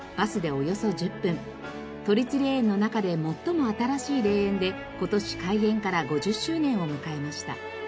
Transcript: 都立霊園の中で最も新しい霊園で今年開園から５０周年を迎えました。